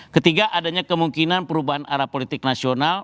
ketiga adanya kemungkinan perubahan arah politik nasional